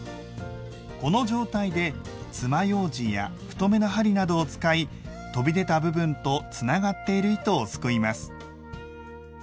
この状態でつまようじや太めの針などを使い飛び出た部分とつながっている糸をすくいます。